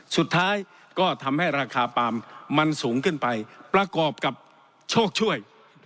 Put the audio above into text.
สุดท้ายก็ทำให้ราคาปาล์มมันสูงขึ้นไปประกอบกับโชคช่วย